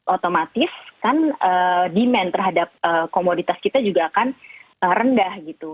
otomatis kan demand terhadap komoditas kita juga akan rendah gitu